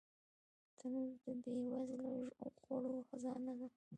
تنور د بې وزله خوړو خزانه ده